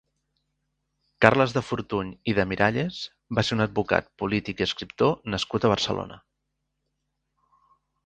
Carles de Fortuny i de Miralles va ser un advocat, polític i escriptor nascut a Barcelona.